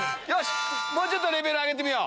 もうちょっとレベル上げてみよう。